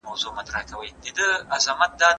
بامیان بې درو نه دی.